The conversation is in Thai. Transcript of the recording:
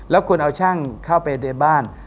แล้วคุณเอาช่างเข้าไปในบ้าน